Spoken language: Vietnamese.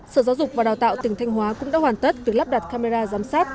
sở giáo dục và đào tạo tỉnh thanh hóa cũng đã hoàn tất việc lắp đặt camera giám sát